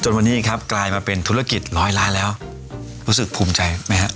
วันนี้ครับกลายมาเป็นธุรกิจร้อยล้านแล้วรู้สึกภูมิใจไหมฮะ